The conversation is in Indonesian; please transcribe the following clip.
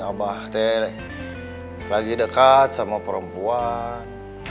abang lagi dekat dengan perempuan